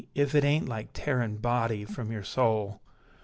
if it aint like tearin Body from yer soul!